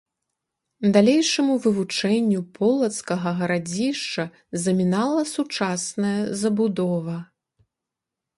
Далейшаму вывучэнню полацкага гарадзішча замінала сучасная забудова.